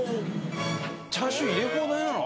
チャーシュー入れ放題なの？